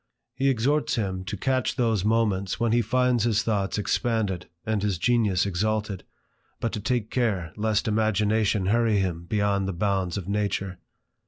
He exhorts him to catch those moments when he finds his thoughts expanded and his genius exalted, but to take care lest imagination hurry him beyond the bounds of nature.